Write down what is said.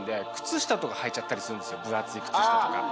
分厚い靴下とか。